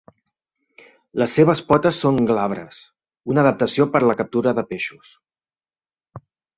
Les seves potes són glabres, una adaptació per la captura de peixos.